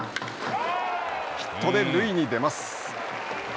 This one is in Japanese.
ヒットで塁に出ます。